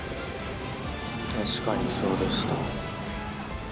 確かにそうでした。